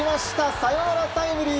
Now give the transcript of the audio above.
サヨナラタイムリー！